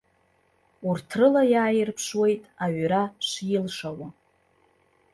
Урҭ рыла иааирԥшуеит аҩра шилшауа.